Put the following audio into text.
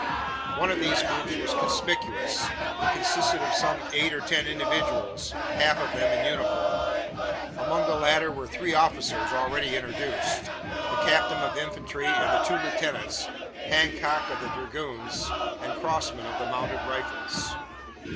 One of these groups was conspicuous. It consisted of some eight or ten individuals, half of them in uniform. Among the latter were the three officers already introduced; the captain of infantry, and the two lieutenants Hancock of the dragoons, and Crossman of the mounted rifles.